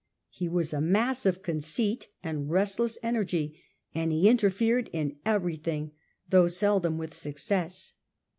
He was a mass of conceit and restless energy, and he interfered in everything, though seldom with success.